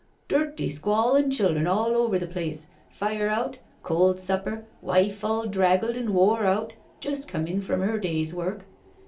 Dirty, squalin* children all over the place, fire out, cold supper, wife all draggled an' wore out, just come in from 'er day's work.